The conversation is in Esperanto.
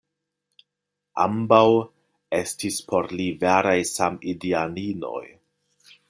Ambaŭ estis por li veraj samideaninoj.